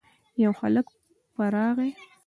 يو هلک په راغی.